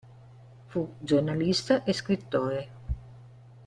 Fu giornalista e scrittore.